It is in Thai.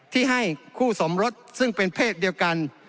ที่ให้คู่สมรสซึ่งเป็นเพศเดียวกัน